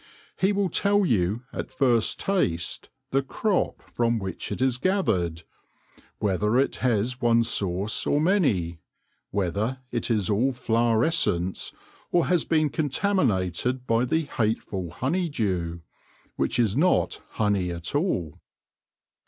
He will tell you at first taste the crop from which it is gathered, whether it has one source or many, whether it is all flower essence, or has been contaminated by the hateful honeydew, which is not honey at all.